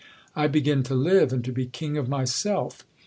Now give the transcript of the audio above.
I begin to live, and to be king of myself.